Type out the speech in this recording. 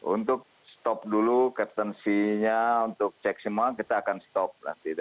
untuk stop dulu captansinya untuk cek semua kita akan stop nanti